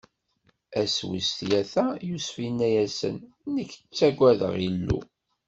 Ass wis tlata, Yusef inna-asen: Nekk ttagadeɣ Illu.